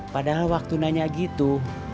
padahal waktu nanya gitu